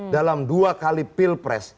dalam dua kali pilpres